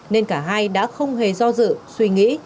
nên cả hai đã không hề do dự suy nghĩ